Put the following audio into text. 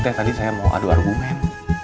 kayak tadi saya mau adu argumen